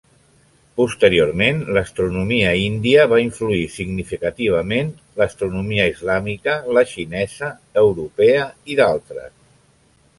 Posteriorment, l'astronomia índia va influir significativament l'astronomia islàmica, la xinesa, europea, i d'altres.